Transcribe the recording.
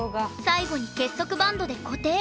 最後に結束バンドで固定。